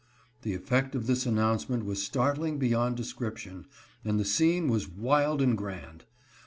" The effect of this announcement was startling beyond de scription, and the scene was wild and grand.